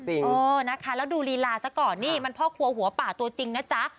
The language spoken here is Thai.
เออนะคะแล้วดูลีลาซะก่อนนี่มันพ่อครัวหัวป่าตัวจริงนะจ๊ะ